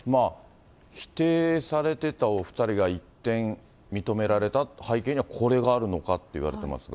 否定されてたお２人が一転、認められた背景にはこれがあるのかっていわれていますが。